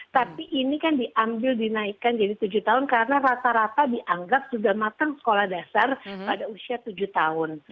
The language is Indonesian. tapi ini kan diambil dinaikkan jadi tujuh tahun karena rata rata dianggap sudah matang sekolah dasar pada usia tujuh tahun